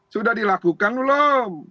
sudah dilakukan belum